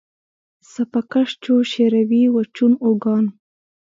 سپه کش چو شیروي و چون آوگان